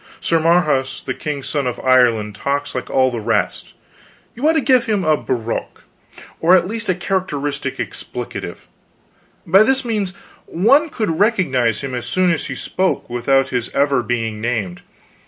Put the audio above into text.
Sir Marhaus the king's son of Ireland talks like all the rest; you ought to give him a brogue, or at least a characteristic expletive; by this means one would recognize him as soon as he spoke, without his ever being named.